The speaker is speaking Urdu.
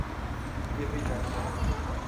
یہ وہی جانتے ہوں۔